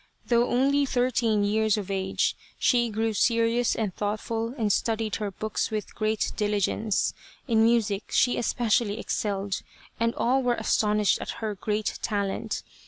Though only thirteen years of age, she grew serious and thoughtful, and studied her books with great diligence. In music she especially excelled, and all were as tonished at her great talent.